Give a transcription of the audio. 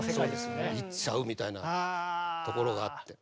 うん。いっちゃうみたいなところがあって。